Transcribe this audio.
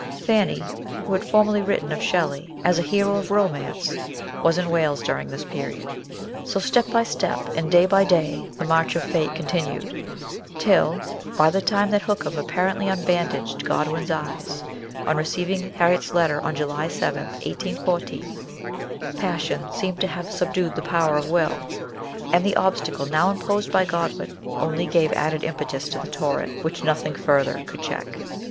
Fanny, who had formerly written of Shelley as a hero of romance, was in Wales during this period. So, step by step, and day by day, the march of fate continued, till, by the time that Hookham apparently unbandaged Godwin's eyes, on receiving Harriet's letter on July 7, 1814, passion seemed to have subdued the power of will ; and the obstacle now imposed by Godwin only gave added impetus to the torrent, which nothing further could check.